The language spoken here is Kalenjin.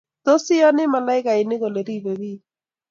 Tos, iyani malaikainik kole ribe biik?